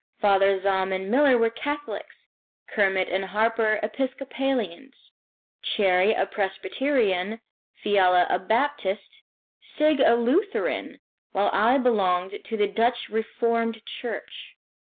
Father Zahm and Miller were Catholics, Kermit and Harper Episcopalians, Cherrie a Presbyterian, Fiala a Baptist, Sigg a Lutheran, while I belonged to the Dutch Reformed Church.